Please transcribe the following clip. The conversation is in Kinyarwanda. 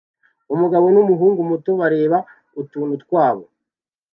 Umugabo n'umuhungu muto bareba utuntu twabo